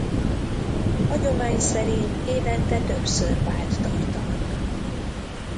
Hagyomány szerint évente többször bált tartanak.